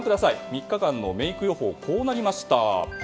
３日間のメイク予報こうなりました。